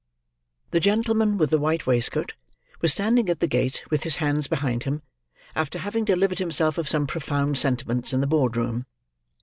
The gentleman with the white waistcoat was standing at the gate with his hands behind him, after having delivered himself of some profound sentiments in the board room.